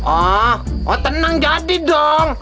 oh tenang jadi dong